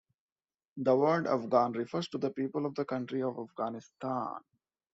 The word "afghan" refers to the people of the country of Afghanistan.